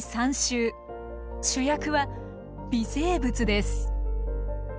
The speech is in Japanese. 主役は微生物です。